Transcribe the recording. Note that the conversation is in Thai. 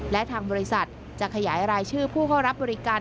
และทางบริษัทจะขยายรายชื่อผู้เข้ารับบริการ